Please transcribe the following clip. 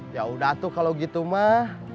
yaudah tuh kalau gitu man